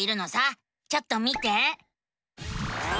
ちょっと見て！